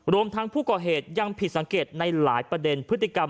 รวมทั้งผู้ก่อเหตุยังผิดสังเกตในหลายประเด็นพฤติกรรม